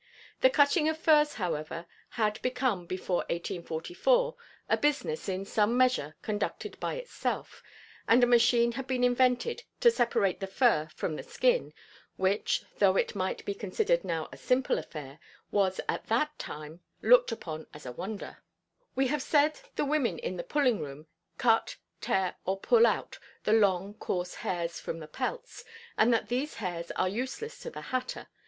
The cutting of furs, however, had become before 1844 a business in some measure conducted by itself, and a machine had been invented to separate the fur from the skin, which, though it might be considered now a simple affair, was at that time looked upon as a wonder. [Illustration: FUR CUTTING MACHINE.] We have said the women in the "pulling room" cut, tear, or pull out the long, coarse hairs from the pelts, and that these hairs are useless to the hatter.